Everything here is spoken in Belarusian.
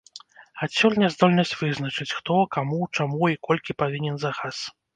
Адсюль няздольнасць вызначыць, хто, каму, чаму і колькі павінен за газ.